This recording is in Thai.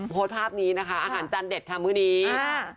โพสต์ภาพนี้นะคะอาหารจานเด็ดค่ะมื้อนี้